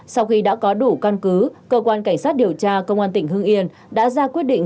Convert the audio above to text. sau khi đã có đủ căn cứ cơ quan cảnh sát điều tra công an tỉnh hưng yên đã ra quyết định